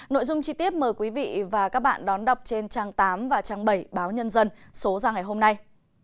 nội dung chi tiết mời quý vị và các bạn đón đọc trên trang tám và trang bảy báo nhân dân số ra ngày hôm nay